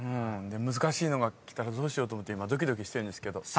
難しいのがきたらどうしようと思ってドキドキしてるんですけど。